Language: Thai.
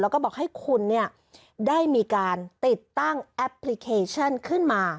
แล้วก็บอกให้คุณได้มีการติดตั้งแอปพลิเคชันขึ้นมา